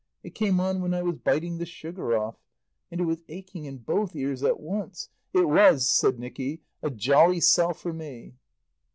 It came on when I was biting the sugar off. And it was aching in both ears at once. It was," said Nicky, "a jolly sell for me."